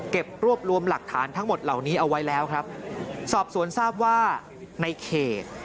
รวบรวมหลักฐานทั้งหมดเหล่านี้เอาไว้แล้วครับสอบสวนทราบว่าในเขต